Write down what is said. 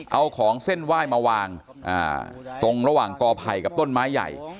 เอาของเส้นไหว้มาวางตรงระหว่างกอไผ่กับต้นไม้ใหญ่